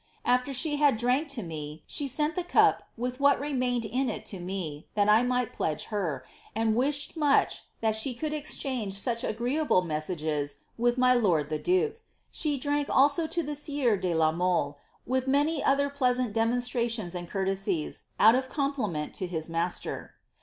*^ After she had drank to me, she sent the cup with what remained in C to roe, that I mi^t pledge her, and wished much that she could ex change such agreeable messages with my lord the duke. She drank dso to the sieur de la Mole, with many other pleasant demonstrations md courtesies, out of compliment to his master.